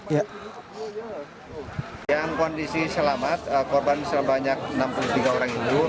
yang kondisi selamat korban sebanyak enam puluh tiga orang ini